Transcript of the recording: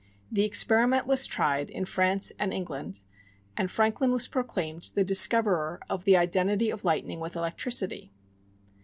The experiment was tried in France and England, and Franklin was proclaimed the discoverer of the identity of lightning with electricity.